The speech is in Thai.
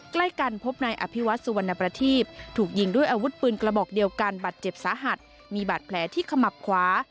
ใกล้กันพบนายอภิวัตสุวรรณประทีปถูกยิงด้วยอาวุธปืนกระบอกเดียวกันบาดเจ็บสาหัสมีบาดแผลที่ขมับขวา